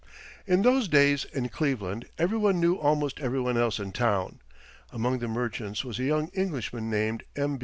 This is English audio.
In those days, in Cleveland, everyone knew almost everyone else in town. Among the merchants was a young Englishman named M.